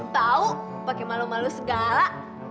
tau pakai malu malu segala